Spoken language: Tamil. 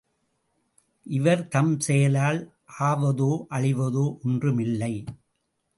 இவர்தம் செயலால் ஆவதோ, அழிவதோ ஒன்றும் இல்லை.